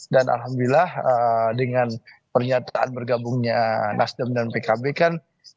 dan alhamdulillah dengan pernyataan bergabungnya nasdem dan pkb kan